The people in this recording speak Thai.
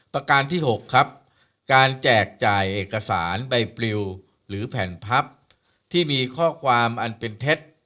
ประการที่๖ครับการแจกจ่ายเอกสารใบปลิวหรือแผ่นพับที่มีข้อความอันเป็นเท็จ